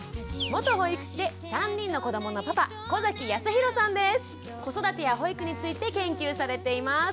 元保育士で３人の子どものパパ子育てや保育について研究されています。